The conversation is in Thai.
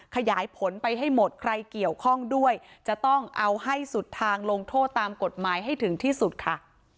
ขยายผลไปให้หมดใครเกี่ยวข้องด้วยจะต้องเอาให้สุดทางลงโทษตามกฎหมายให้ถึงที่สุดค่ะ